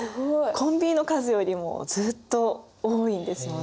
コンビニの数よりもずっと多いんですよね。